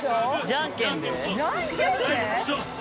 じゃんけんで？